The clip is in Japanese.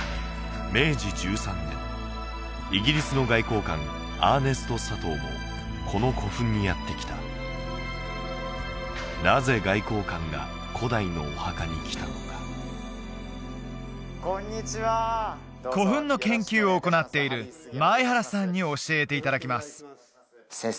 イギリスの外交官アーネスト・サトウもこの古墳にやって来たなぜ外交官が古代のお墓に来たのか古墳の研究を行っている前原さんに教えていただきます先生